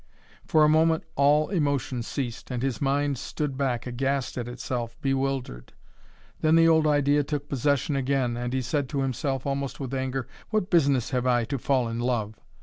For a moment all emotion ceased and his mind stood back, aghast at itself, bewildered. Then the old idea took possession again, and he said to himself, almost with anger, "What business have I to fall in love?"